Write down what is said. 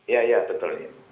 ya ya tentunya